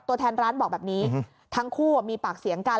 ตัวแทนร้านบอกแบบนี้ทั้งคู่มีปากเสียงกัน